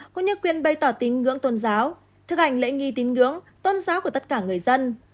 cũng như quyền bày tỏ tin ngưỡng tôn giáo thực hành lễ nghi tín ngưỡng tôn giáo của tất cả người dân